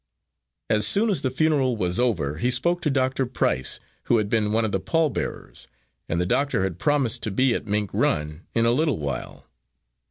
As soon as the funeral was over he spoke to Dr. Price, who had been one of the pallbearers, and the doctor had promised to be at Mink Run in a little while.